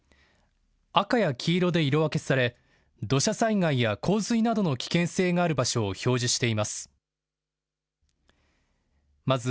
赤や黄色で色分けされ、土砂災害や洪水などの危険性がある場所を表示しています。